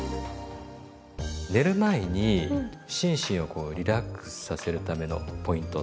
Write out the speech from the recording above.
寝る前に心身をこうリラックスさせるためのポイント。